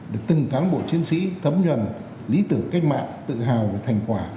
được từng cán bộ chiến sĩ thấm nhuận lý tưởng cách mạng tự hào về thành quả